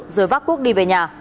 rồi vác cuốc đi về nhà